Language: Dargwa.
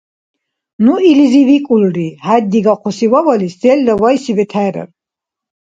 Ну илизи викӀулри: «ХӀед дигахъуси вавалис селра вайси бетхӀерар…»